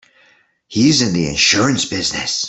He's in the insurance business.